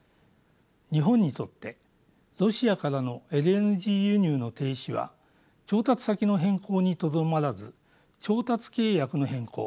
日本にとってロシアからのＬＮＧ輸入の停止は調達先の変更にとどまらず調達契約の変更